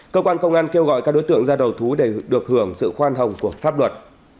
cơ quan công an kêu gọi các đối tượng ra đầu thú để được hưởng sự khoan hồng của pháp luật